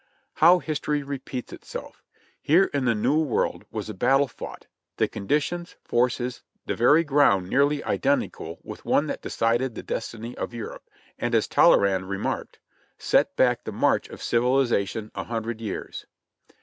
How history repeats itself. Here in the New World was a battle fought, the conditions, forces, the very ground nearly identical with the one that decided the destiny of Europe, and as Tallerand remarked, "Set back the march of civilization a hun dred years."